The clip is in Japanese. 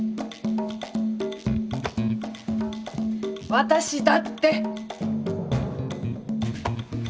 私だって！